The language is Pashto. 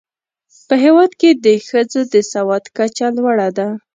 په هېواد کې د ښځو د سواد کچه لوړه ده.